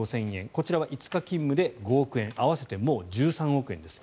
こちらは５日勤務で５億円合わせて、もう１３億円です。